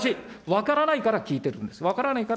分からないから聞いてる。